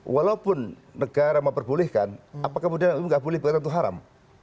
walaupun negara memperbolehkan apakah kemudian hukum itu nggak boleh dikatakan itu haram